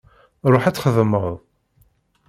Ṛuḥ ad txedmeḍ.